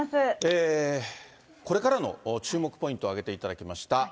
これからの注目ポイントを挙げていただきました。